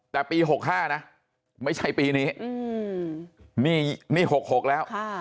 แต่ปีหกห้านะไม่ใช่ปีนี้อืมนี่นี่หกหกแล้วค่ะ